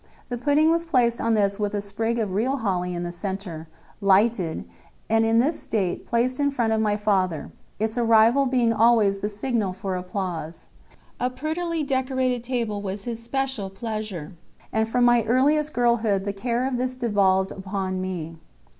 The pudding was placed on this with a sprig of real holly in the centre, lighted, and in this state placed in front of my father, its arrival being always the signal for applause. A prettily decorated table was his special pleasure, and from my earliest girlhood the care of this devolved upon me.